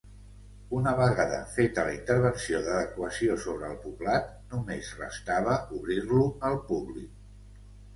Una vegada feta la intervenció d'adequació sobre el poblat només restava obrir-lo al públic.